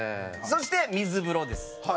そして水風呂です。